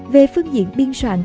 về phương diện biên soạn